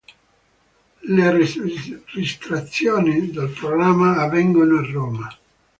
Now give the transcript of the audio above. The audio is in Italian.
Le registrazioni del programma avvengono a Roma.